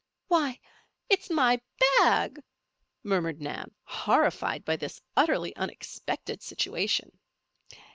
"Why it's my bag!" murmured Nan, horrified by this utterly unexpected situation.